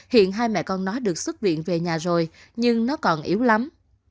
hiện hai mẹ con nói được xuất viện về nhà rồi nhưng nó còn yếu lắm